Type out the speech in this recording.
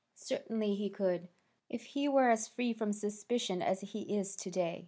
"Certainly he could," said Gobryas, "if he were as free from suspicion as he is to day."